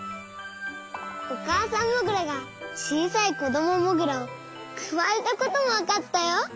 おかあさんモグラがちいさいこどもモグラをくわえたこともわかったよ。